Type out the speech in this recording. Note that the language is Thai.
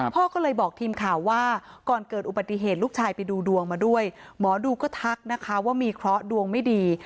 พ่อก็เลยบอกทีมข่าวว่าก่อนเกิดอุบัติเหตุลูกชายไปดูดวงมาด้วยหมอดูก็ทักนะคะว่ามีเคราะห์ดวงไม่ดี